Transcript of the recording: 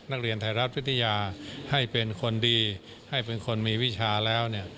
นักเรียนไทยรัฐวิทยาให้เป็นคนดีให้เป็นคนมีวิชาแล้ว